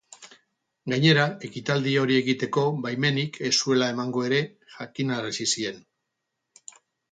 Gainera, ekitaldi hori egiteko baimenik ez zuela emango ere jakinarazi zien.